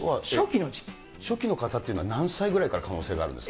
初期の方っていうのは、何歳ぐらいから可能性があるんですか。